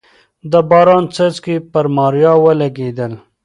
د باران څاڅکي پر ماريا ولګېدل.